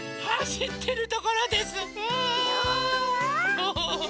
ウフフフ！